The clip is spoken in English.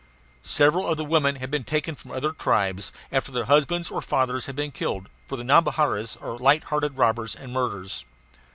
Several of the women had been taken from other tribes, after their husbands or fathers had been killed; for the Nhambiquaras are light hearted robbers and murderers.